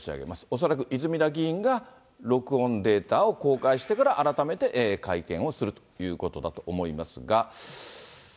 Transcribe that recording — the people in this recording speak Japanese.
恐らく泉田議員が、録音データを公開してから、改めて会見をするということだと思いますが。